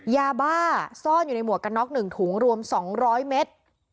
ยาบ้าซ่อนอยู่ในหมวกกันน็อก๑ถุงรวม๒๐๐เมตร